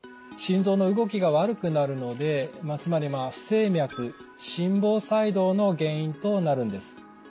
心臓の動きが悪くなるのでつまり不整脈心房細動の原因となるんです。